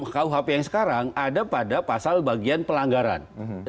kuhp yang sekarang ada pada pasal bagian pelanggaran